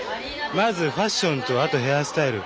まずファッションとあとヘアスタイル